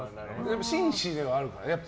紳士ではあるから。